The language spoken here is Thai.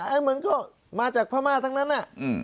ไอ้เหมือนก็มาจากพม่าทั้งนั้นน่ะ